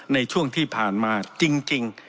ในช่วงที่ผ่านมาจริง